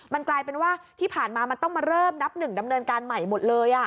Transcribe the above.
มันกลายเป็นว่าที่ผ่านมามันต้องมาเริ่มนับหนึ่งดำเนินการใหม่หมดเลย